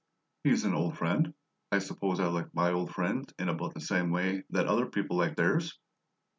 "He's an old friend. I suppose I like my old friends in about the same way that other people like theirs."